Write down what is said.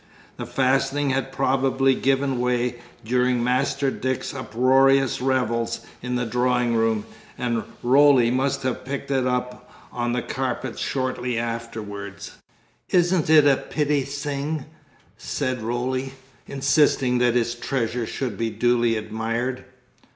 The fastening had probably given way during Master Dick's uproarious revels in the drawing room, and Roly must have picked it up on the carpet shortly afterwards. "Isn't it a pitty sing?" said Roly, insisting that his treasure should be duly admired.